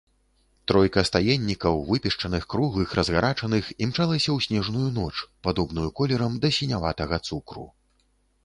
Тройка стаеннікаў, выпешчаных, круглых, разгарачаных, імчалася ў снежную ноч, падобную колерам да сіняватага цукру.